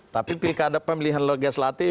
tapi pilkada pemilihan legislatif